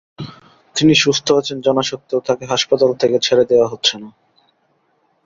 তিনি সুস্থ আছেন জানা সত্ত্বেও তাঁকে হাসপাতাল থেকে ছেড়ে দেওয়া হচ্ছে না।